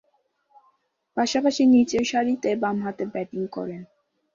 পাশাপাশি নিচের সারিতে বামহাতে ব্যাটিং করেন।